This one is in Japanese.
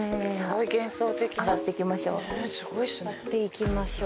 上がっていきましょう。